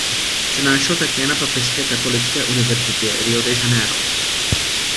Přednášel také na Papežské katolické univerzitě Rio de Janeiro.